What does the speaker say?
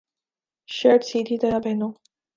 shirt سیدھی طرح پہنو